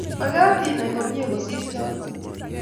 Magaat inay komnyei kosiir choto